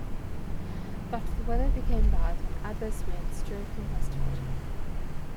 But the weather became bad, and adverse winds drove him westward.